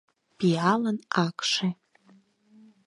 ПИАЛЫН АКШЕ